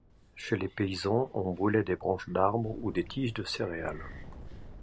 Chez les paysans, on brûlait des branches d'arbres ou des tiges de céréales.